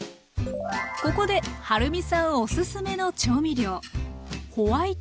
ここではるみさんオススメの調味料。